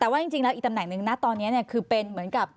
แต่ว่าจริงอีกตำแหน่งหนึ่งตอนนี้คือเป็นเหมือนกับ